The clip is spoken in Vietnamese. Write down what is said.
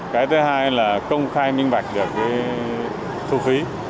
cái thứ hai là công khai minh bạch được thu phí